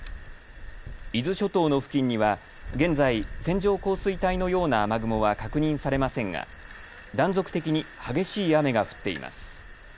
伊豆諸島の付近には現在、線状降水帯のような雨雲は確認されませんが断続的に激しい雨が降っています。